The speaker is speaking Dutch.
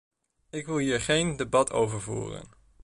Ik wil hier geen debat over voeren.